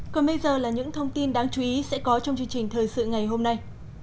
còn bây giờ là những thông tin đáng chú ý sẽ có trong chương trình thời sự ngày hôm nay